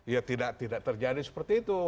ya tidak terjadi seperti itu